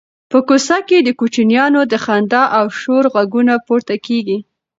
په کوڅه کې د کوچنیانو د خندا او شور غږونه پورته کېږي.